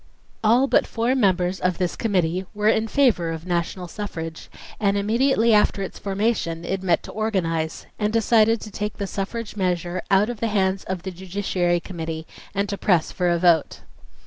All but four members of this committee were in favor of national suffrage, and immediately after its formation it met to organize and decided to take the suffrage measure out of the hands of the Judiciary Committee and to press for a vote.